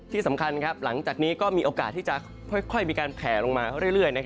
ที่สำคัญหลังจากนี้ก็มีโอกาสที่จะค่อยมีการแผลลงมาเรื่อย